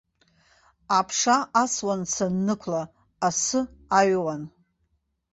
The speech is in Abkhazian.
Аԥша асуан саннықәла, асы аҩуан.